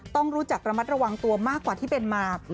ต้องรู้จักระมัดระวังตัวมากกว่าที่เป็นมา